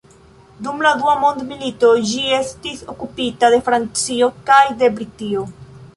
Dum la dua mondmilito ĝi estis okupita de Francio kaj de Britio.